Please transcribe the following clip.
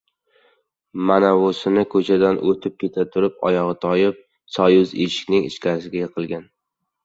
“Manavunisi ko‘chadan o‘tib ketaturib, oyog‘i toyib soyuz eshigining ichkarisiga yiqilgan.